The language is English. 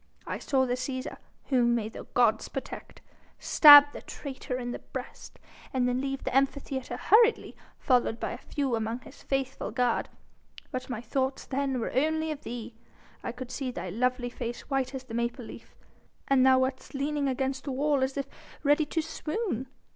I saw the Cæsar whom may the gods protect stab the traitor in the breast, and then leave the Amphitheatre hurriedly, followed by a few among his faithful guard. But my thoughts then were only of thee. I could see thy lovely face white as the maple leaf, and thou wast leaning against the wall as if ready to swoon.